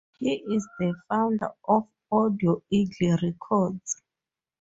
He is the founder of Audio Eagle Records.